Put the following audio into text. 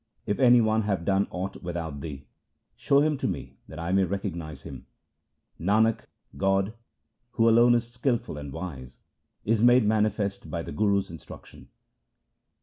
If any one have done aught without Thee, show him to me that I may recognize him. Nanak, God, who alone is skilful and wise, is made manifest by the Guru's instruction.